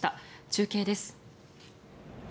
中継です。